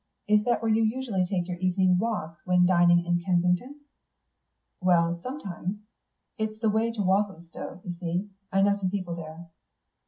Is that where you usually take your evening walks when dining in Kensington?" "Well, sometimes. It's the way to Walthamstow, you see. I know some people there."